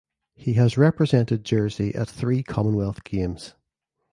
He has represented Jersey at three Commonwealth Games.